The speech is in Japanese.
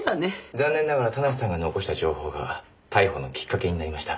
残念ながら田無さんが残した情報が逮捕のきっかけになりました。